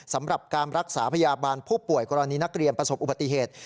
สำหรับการรักษาพยาบาลผู้ป่วยกรณีนักเรียนประสบอุบัติเหตุ